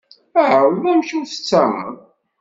Ɛreḍ amek ur tettarraḍ.